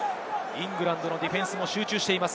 イングランドのディフェンスも集中しています。